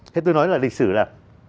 thế tôi nói là lịch sử là